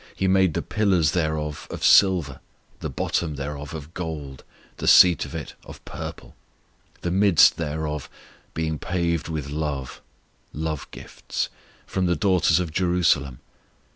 He made the pillars thereof of silver, The bottom thereof of gold, the seat of it of purple, The midst thereof being paved with love (love gifts), From the daughters of Jerusalem.